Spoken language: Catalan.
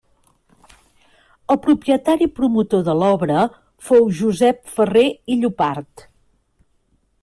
El propietari promotor de l'obra fou Josep Ferrer i Llopart.